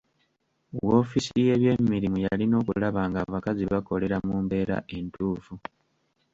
Wofiisi y’ebyemirimu yalina okulaba ng’abakozi bakolera mu mbeera entuufu.